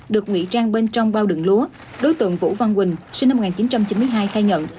được ngụy trang bên trong bao đường lúa đối tượng vũ văn quỳnh sinh năm một nghìn chín trăm chín mươi hai khai nhận